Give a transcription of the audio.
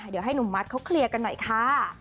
เดี๋ยวให้หนุ่มมัดเขาเคลียร์กันหน่อยค่ะ